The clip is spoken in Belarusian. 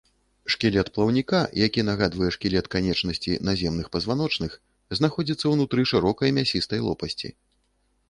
Шкілет плаўніка, які нагадвае шкілет канечнасці наземных пазваночных, знаходзіцца ўнутры шырокай мясістай лопасці.